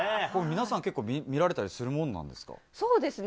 皆さん見られたりするもんなんですか。